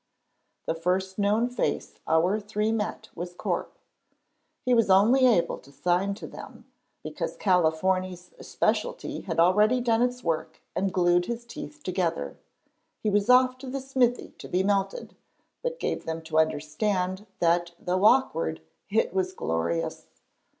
The first known face our three met was Corp. He was only able to sign to them, because Californy's specialty had already done its work and glued his teeth together. He was off to the smithy to be melted, but gave them to understand that though awkward it was glorious.